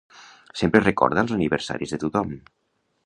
Sempre recorda els aniversaris de tothom.